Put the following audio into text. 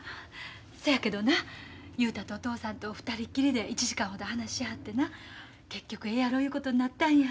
そやけどな雄太とお父さんと二人きりで１時間ほど話しはってな結局ええやろいうことになったんや。